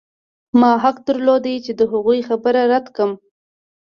ما حق درلود چې د هغوی خبره رد کړم